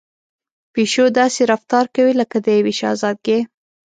پيشو داسې رفتار کوي لکه د يوې شهزادګۍ.